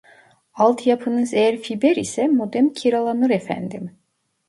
Alt yapınız eğer fiber ise modem kiralanır efendim